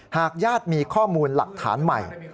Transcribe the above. หากญาติมีข้อมูลหลักฐานใหม่